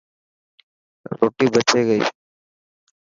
روٽي بچي گئي.